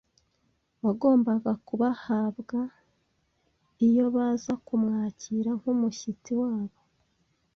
wagombaga kubahabwa iyo baza kumwakira nk’umushyitsi wabo